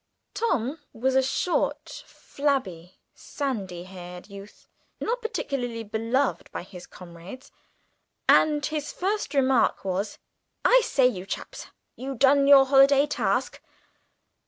Tom was a short, flabby, sandy haired youth, not particularly beloved of his comrades, and his first remark was, "I say, you chaps, have you done your holiday task?